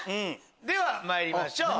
ではまいりましょう！